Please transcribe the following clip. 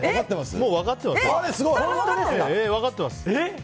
もう分かってます。